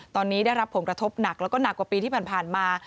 ตอนนี้ได้รับผลกระทบหนักแล้วก็หนักกว่าปีที่ผ่านมา